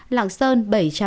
lạng sơn bảy trăm hai mươi một